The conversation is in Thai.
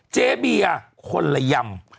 เจ๊เบียร์คนละยำ